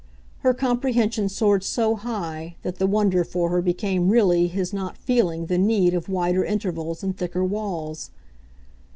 Her comprehension soared so high that the wonder for her became really his not feeling the need of wider intervals and thicker walls.